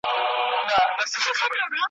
د جسمي فعالیت څخه لوېدل ,